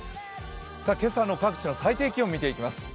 今朝の各地の最低気温を見ていきます。